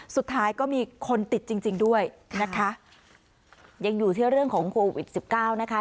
สุดท้ายก็มีคนติดจริงจริงด้วยนะคะยังอยู่ที่เรื่องของโควิดสิบเก้านะคะ